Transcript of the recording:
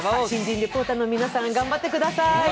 新人リポーターの皆さん、頑張ってください。